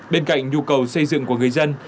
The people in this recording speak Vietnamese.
bên cạnh nhu cầu xây dựng của người dân